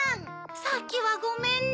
さっきはごめんね。